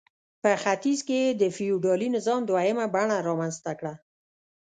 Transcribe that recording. په ختیځ کې یې د فیوډالي نظام دویمه بڼه رامنځته کړه.